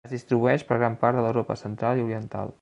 Es distribueix per gran part de l'Europa central i oriental.